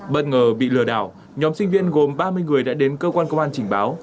bất ngờ bị lừa đảo nhóm sinh viên gồm ba mươi người đã đến cơ quan công an trình báo